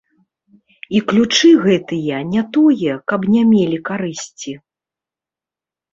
І ключы гэтыя не тое, каб не мелі карысці.